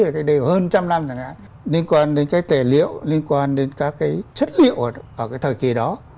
cái đều hơn trăm năm chẳng hạn liên quan đến các tề liệu liên quan đến các cái chất liệu ở cái thời kỳ đó